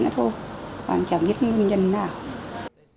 thôi còn chẳng biết nguyên nhân nào